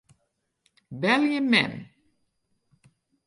Belje mem.